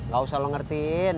gak usah lo ngertiin